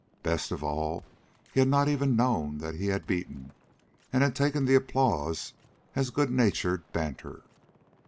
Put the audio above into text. Best of all, he had not even known that he had beaten, and had taken the applause as good natured banter.